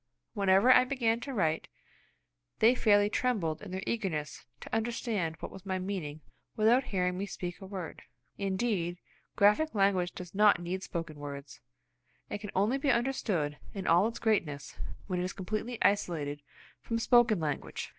Whenever I began to write, they fairly trembled in their eagerness to understand what was my meaning without hearing me speak a word. Indeed, graphic language does not need spoken words. It can only be understood in all its greatness when it is completely isolated from spoken language.